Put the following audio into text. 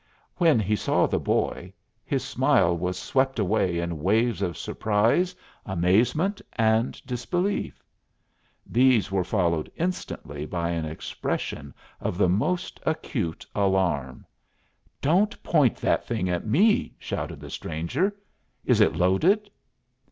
When he saw the boy, his smile was swept away in waves of surprise, amazement, and disbelief. These were followed instantly by an expression of the most acute alarm. "Don't point that thing at me!" shouted the stranger. "Is it loaded?"